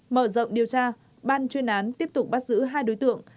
mở rộng điều tra ban chuyên án tiếp tục bắt giữ hai đối tượng